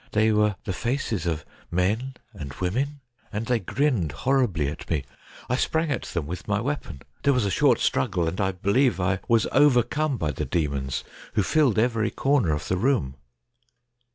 They were the faces of men and women, and they grinned horribly at me. I sprang at them with my weapon. There was a short struggle, and I believe I was overcome by the demons, who filled every corner of the room.